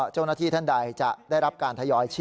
เจ้าหน้าที่ท่านใดจะได้รับการทยอยชี้